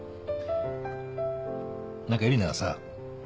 何かえりなはさ